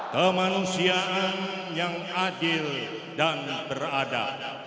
kemanusiaan yang adil dan berada